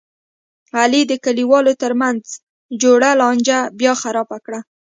علي د کلیوالو ترمنځ جوړه لانجه بیا خرابه کړله.